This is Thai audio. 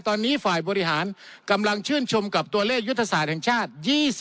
ตอนนี้ฝ่ายบริหารกำลังชื่นชมกับตัวเลขยุทธศาสตร์แห่งชาติ